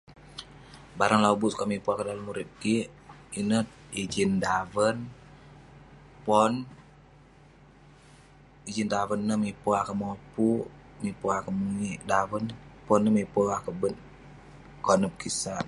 Barang lobuk sukat mipe akeuk dalem urip kik...ineh...ijin daven, pon...ijin daven ineh mipe akeuk mopuk..mipe akeuk muwik daven..pon ineh mipe akeuk bet konep kik sat..